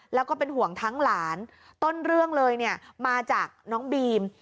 แล้วก็เป็นห่วงทั้งหลานต้นเรื่องเลยเนี่ยมาจากน้องบีม